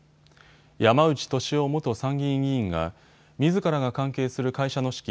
山内俊夫元参議院議員がみずからが関係する会社の資金